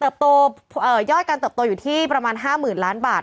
เติบโตย่อยการเติบโตอยู่ที่ประมาณ๕หมื่นล้านบาท